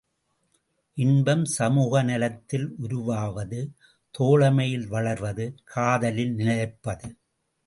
இன்பம் சமூக நலத்தில் உருவாவது தோழமையில் வளர்வது காதலில் நிலைப்பது.